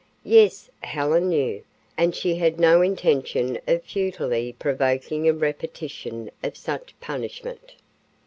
Yes, Helen knew, and she had no intention of futilely provoking a repetition of such punishment.